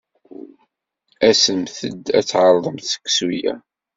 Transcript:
Asemt-d ad tɛerḍemt seksu-a.